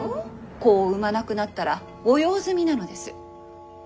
子を産まなくなったら御用済みなのです。